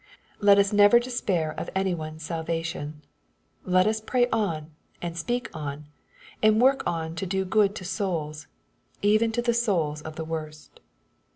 Let us never despair of any one's salvation. Let us pray on, and speak on, and work on to do good to souls, even to the souls of the worst.